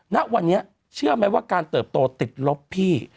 ณวันนี้เชื่อไหมว่าการเติบโตติดลบพี่